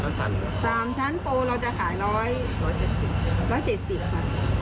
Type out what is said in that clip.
สามชั้นโปรเราจะขายร้อยร้อยเจ็ดสิบร้อยเจ็ดสิบค่ะ